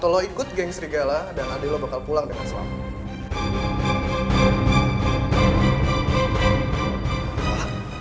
atau lo ikut geng serigala dan adik lo bakal pulang dengan selamat